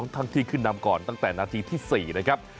ทั้งที่ขึ้นนำก่อนตั้งแต่นาทีที่๔นะครับ